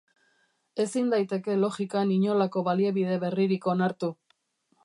Ezin daiteke logikan inolako baliabide berririk onartu.